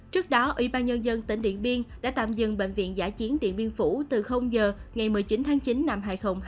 trước đó ủy ban nhân dân tỉnh điện biên đã tạm dừng bệnh viện giả chiến điện biên phủ từ giờ ngày một mươi chín tháng chín năm hai nghìn hai mươi